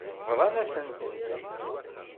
Bḍant-asen-tent-id.